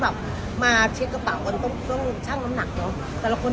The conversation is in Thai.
แบบมาเช็คกระเป๋าก็ต้องต้องชั่งน้ำหนักเนอะแต่ละคน